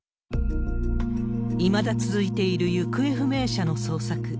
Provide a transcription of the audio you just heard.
いまだ続いている行方不明者の捜索。